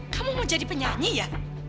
kamu mau jadi penyanyi ya